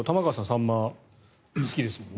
サンマ好きですもんね。